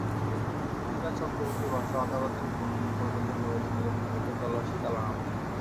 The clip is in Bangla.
নির্মলেন্দু বিকাশ চক্রবর্তীর ভাষ্য, আদালতের মূল ফটকে প্রবেশকালে প্রত্যেককে তল্লাশি চালানো হচ্ছে।